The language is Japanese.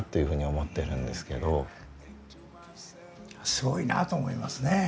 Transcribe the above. すごいなと思いますね。